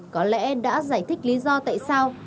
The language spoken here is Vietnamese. có lẽ đã giải thích lý do tại sao